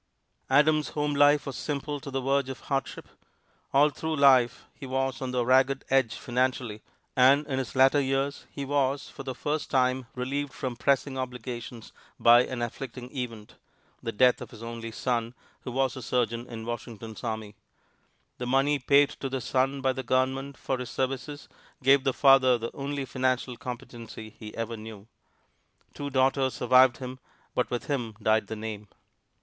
Adams' home life was simple to the verge of hardship. All through life he was on the ragged edge financially, and in his latter years he was for the first time relieved from pressing obligations by an afflicting event the death of his only son, who was a surgeon in Washington's army. The money paid to the son by the Government for his services gave the father the only financial competency he ever knew. Two daughters survived him, but with him died the name.